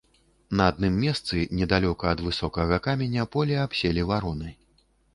На адным месцы, недалёка ад высокага каменя, поле абселі вароны.